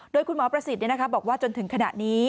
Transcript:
โดยคุณหมอประสิทธิ์บอกว่าจนถึงขณะนี้